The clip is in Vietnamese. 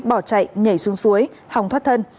bỏ chạy nhảy xuống suối hòng thoát thân